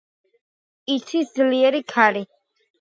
იცის ძლიერი ქარი.